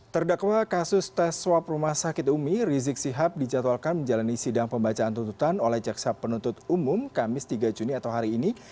terdakwa kasus tes swab rumah sakit umi rizik sihab dijadwalkan menjalani sidang pembacaan tuntutan oleh jaksa penuntut umum kamis tiga juni atau hari ini